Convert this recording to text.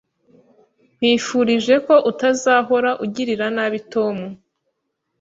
Nkwifurije ko utazahora ugirira nabi Tom.